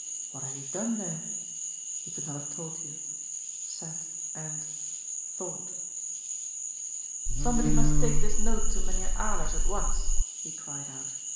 What had he done there ? He could not have told you. Sat and — thought. " Somebody must take this note to Mynheer Alers at once," he cried out.